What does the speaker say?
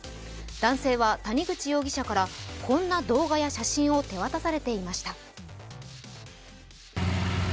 男性は谷口容疑者からこんな動画や写真を手渡されていました。